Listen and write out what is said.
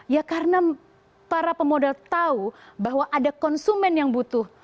ya karena para pemodal tahu bahwa ada konsumen yang butuh